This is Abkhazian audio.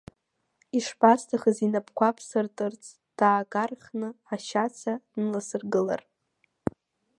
Ишԥасҭахыз инапқәа ԥсыртырц, даагархны ашьацра дныласыргылар.